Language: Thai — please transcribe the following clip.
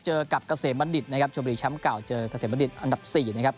เจอกับเกษมณฑฤทธิ์นะครับชมช้ำเก่าเจอกเกษมณฑฤทธิ์อันดับ๔นะครับ